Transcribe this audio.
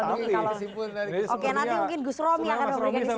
oke nanti mungkin gus romy akan memberikan kesimpulan